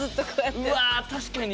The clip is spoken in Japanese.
うわ確かに。